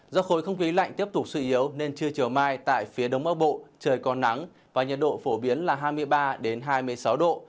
do khối không khí lạnh tiếp tục suy yếu nên trưa chiều mai tại phía đông bắc bộ trời còn nắng và nhiệt độ phổ biến là hai mươi ba hai mươi sáu độ